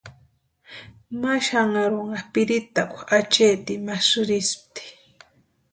Ma xanharhunha piritakwa acheetini ma sïrispti.